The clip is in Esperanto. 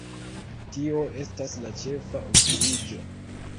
Tio estas la ĉefa okupiĝo.